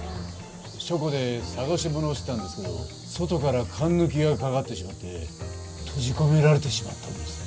書庫で捜し物をしてたんですけど外からかんぬきがかかってしまって閉じ込められてしまったんです。